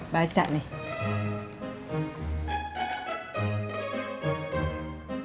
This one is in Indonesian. biar kasian ada